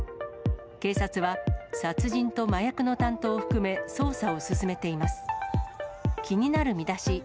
警察は殺人と麻薬の担当を含め、捜査を進めています。